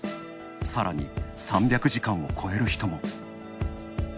さらに、３００時間を超える人も。